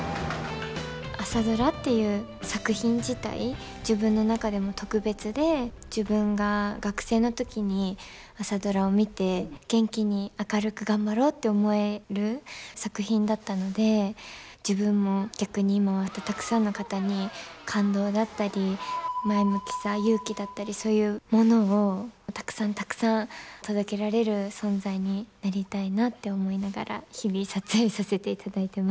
「朝ドラ」っていう作品自体自分の中でも特別で自分が学生の時に「朝ドラ」を見て元気に明るく頑張ろうって思える作品だったので自分も逆に今は本当たくさんの方に感動だったり前向きさ勇気だったりそういうものをたくさんたくさん届けられる存在になりたいなって思いながら日々撮影させていただいてます。